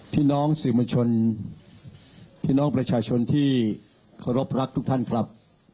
พี่น้องสื่อมวลชนพี่น้องประชาชนที่เคารพรักทุกท่านครับ